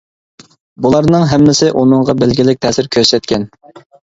بۇلارنىڭ ھەممىسى ئۇنىڭغا بەلگىلىك تەسىر كۆرسەتكەن.